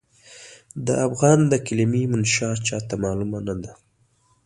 د افغان د کلمې منشا چاته معلومه نه ده.